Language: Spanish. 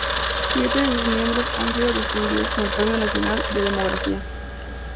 Siete de sus miembros han sido distinguidos con el Premio Nacional de Demografía.